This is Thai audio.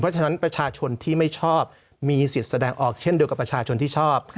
เพราะฉะนั้นประชาชนที่ไม่ชอบมีสิทธิ์แสดงออกเช่นเดียวกับประชาชนที่ชอบ